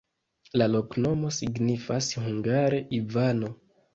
La loknomo signifas hungare: Ivano.